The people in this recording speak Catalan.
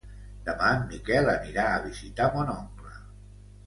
Demà en Miquel anirà a visitar mon oncle.